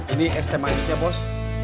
ini s t m s nya bos